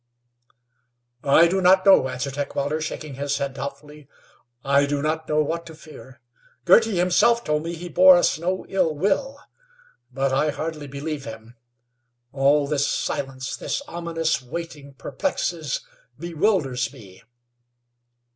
"I do not know," answered Heckewelder, shaking his head doubtfully. "I do not know what to fear. Girty himself told me he bore us no ill will; but I hardly believe him. All this silence, this ominous waiting perplexes, bewilders me."